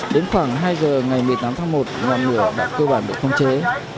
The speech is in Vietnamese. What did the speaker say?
đến khoảng hai giờ ngày một mươi tám tháng một ngọn lửa đã cơ bản được phòng cháy